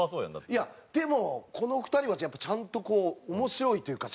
いやでもこの２人はやっぱりちゃんとこう面白いというか。